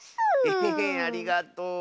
エヘヘありがとう。